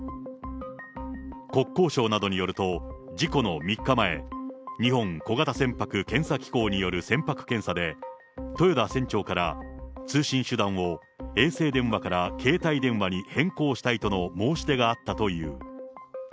国交省などによると、事故の３日前、日本小型船舶検査機構による船舶検査で、豊田船長から、通信手段を衛星電話から携帯電話に変更したいとの申し出があったという。